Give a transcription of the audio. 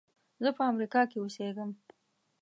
زه په امریکا کې اوسېږم.